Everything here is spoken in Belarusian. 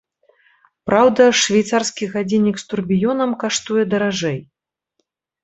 Праўда, швейцарскі гадзіннік з турбіёнам каштуе даражэй.